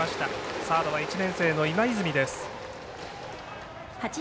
サード１年生の今泉です。